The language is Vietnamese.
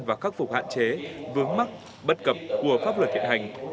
và khắc phục hạn chế vướng mắc bất cập của pháp luật hiện hành